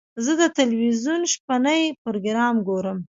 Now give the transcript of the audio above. زه د تلویزیون شپهني پروګرام ګورم.